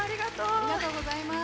ありがとうございます。